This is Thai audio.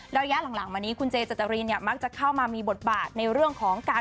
ระยะหลังมานี้คุณเจเจตรินเนี่ยมักจะเข้ามามีบทบาทในเรื่องของการ